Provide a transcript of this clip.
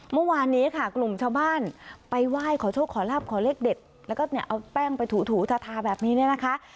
เมื่อวานนี้ค่ะกลุ่มชาวบ้านไปไหว้ขอโชคขอลาบขอเลขเด็ดแล้วก็เนี่ยเอาแป้งไปถูถูทาทาแบบนี้เนี่ยนะคะ